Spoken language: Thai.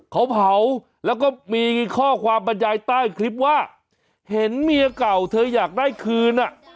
เขาเผาแล้วก็มีข้อความบรรยายใต้คลิปว่าเห็นเมียเก่าเธออยากได้คืนอ่ะ